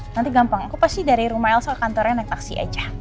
nanti gampang aku pasti dari rumah elsa ke kantornya naik taksi aja